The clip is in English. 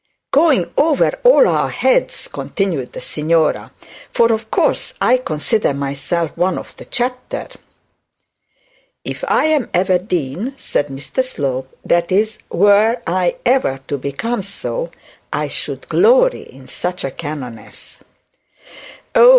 'Going over all our heads,' continued the signora; 'for, of course, I consider myself one of the chapter.' 'If I am ever dean,' said Mr Slope 'that is, were I ever to become so, I should glory in such a canoness.'